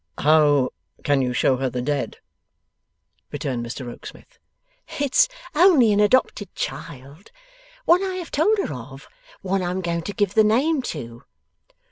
'How can you show her the Dead?' returned Mr Rokesmith. 'It's only an adopted child. One I have told her of. One I'm going to give the name to!